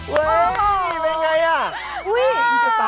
เว้ยแปงไงอะ